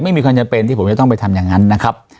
ไม่มีความจำเป็นที่ผมจะต้องไปทำอย่างนั้นนะครับ